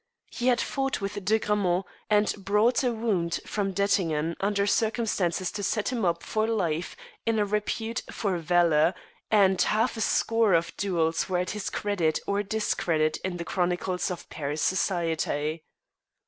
He had fought with De Grammont, and brought a wound from Dettingen under circumstances to set him up for life in a repute for valour, and half a score of duels were at his credit or discredit in the chronicles of Paris society.